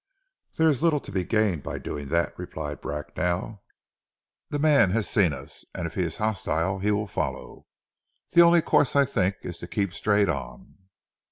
"There is little to be gained by doing that," replied Bracknell. "The man has seen us, and if he is hostile he will follow. The only course, I think, is to keep straight on."